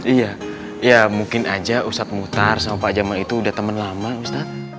iya ya mungkin aja ustadz muhtar sama pak jamang itu udah temen lama ustadz